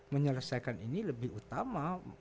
menyelesaikan ini lebih utama